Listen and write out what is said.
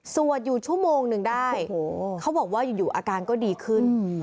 สวดอยู่ชั่วโมงหนึ่งได้เขาบอกว่าอยู่อาการก็ดีขึ้น